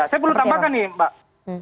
saya perlu tambahkan nih mbak